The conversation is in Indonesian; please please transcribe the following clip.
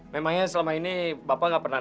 memangnya selama ini bapak gak pernah nanya